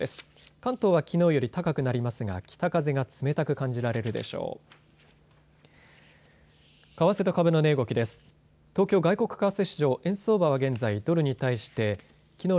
関東はきのうより高くなりますが北風が冷たく感じられるでしょう。